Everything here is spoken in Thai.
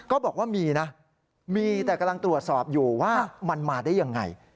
ก็บอกว่ามีนะมีแต่กำลังตรวจสอบอยู่ว่ามันมาได้ยังไง